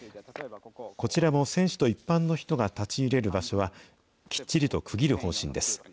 こちらも選手と一般の人が立ち入れる場所は、きっちりと区切る方針です。